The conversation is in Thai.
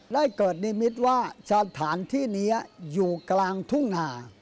ได้เกิดนิมิตรว่าสถานที่นี้อยู่กลางทุ่งห่า